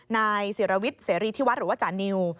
นายศิรวิทย์เสรีที่วัดหรือว่าจานิว